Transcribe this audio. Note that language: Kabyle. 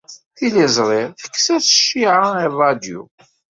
Tiliẓri tekkes-as cciɛa i ṛṛadyu.